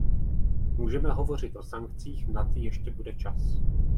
Můžeme hovořit o sankcích, na ty ještě bude čas.